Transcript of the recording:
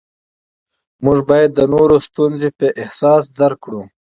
موږ باید د نورو ستونزې په احساس درک کړو